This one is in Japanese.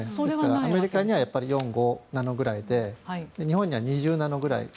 アメリカには４、５ナノぐらいで日本には２０ナノくらい。